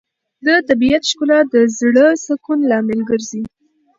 د طبیعت ښکلا د زړه سکون لامل ګرځي.